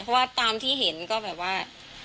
เพราะว่าตามที่เห็นก็แบบว่า